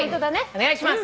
お願いします。